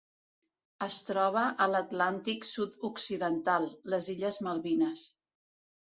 Es troba a l'Atlàntic sud-occidental: les illes Malvines.